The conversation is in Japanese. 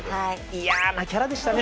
嫌なキャラでしたね